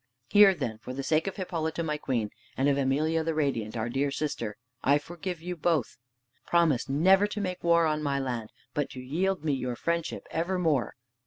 Here then for the sake of Hippolyta, my queen, and of Emelia the Radiant, our dear sister, I forgive you both. Promise never to make war on my land, but to yield me your friendship evermore."